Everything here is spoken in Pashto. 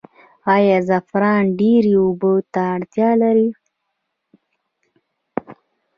آیا زعفران ډیرې اوبو ته اړتیا لري؟